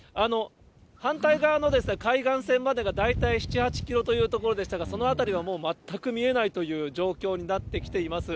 反対側の海岸線までが大体７、８キロというところでしたが、その辺りはもう全く見えないという状況になってきています。